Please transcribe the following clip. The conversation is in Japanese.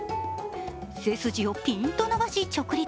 背筋をピンと伸ばし直立。